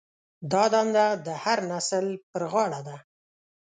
دا دنده د هر نسل پر غاړه ده.